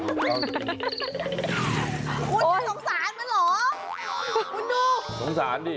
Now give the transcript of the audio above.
คุณสงสารมันเหรอ